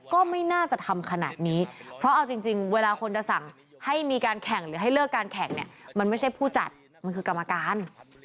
ก็ไม่น่าจะทำขนาดนี้เพราะเอาจริงเวลาคนจะสั่งให้มีการแข่งหรือให้เลิกการแข่งเนี่ยมันไม่ใช่ผู้จัดมันคือกรรมการ